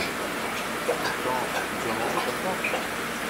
Hortense Il doit manger comme quatre.